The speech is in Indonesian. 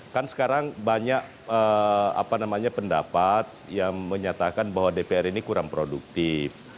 kan sekarang banyak pendapat yang menyatakan bahwa dpr ini kurang produktif